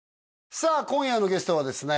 さあ今夜のゲストはですね